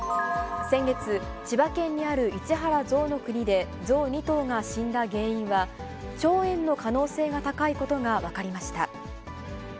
先月、千葉県にある市原ぞうの国で、象２頭が死んだ原因は、腸炎の可能性が高いことが分かりました。